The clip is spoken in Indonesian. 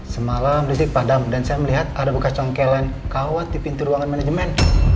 semalam disitik padam dan saya melihat ada buka congkelen kawat di pintu ruangan manajemen